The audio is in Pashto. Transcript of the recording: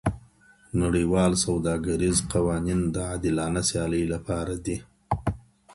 نړیوال سوداګریز قوانین د عادلانه سیالۍ لپاره دي.